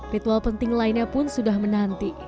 ritual penting lainnya pun sudah menanti